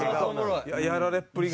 やられっぷりが。